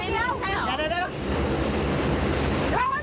เผ่าว่ามีนักค่ะ